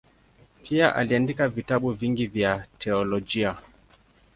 Pia aliandika vitabu vingi vya teolojia.